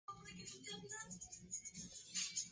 En las capillas del transepto hay frescos de Filippino Lippi.